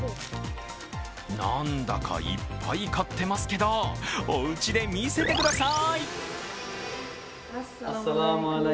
なんだかいっぱい買ってますけど、おうちで見せてくださーい。